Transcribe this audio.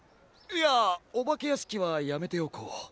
いやおばけやしきはやめておこう。